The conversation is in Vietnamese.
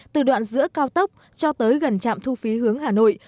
từ đoạn giữa cao tốc cho tới gần trạm thu phí hướng hà nội